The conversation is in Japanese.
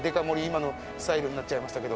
今のスタイルになっちゃいましたけど。